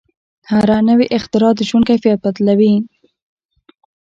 هره نوې اختراع د ژوند کیفیت بدلوي.